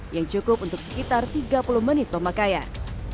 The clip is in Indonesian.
yang cukup untuk sekitar tiga puluh menit pemakaian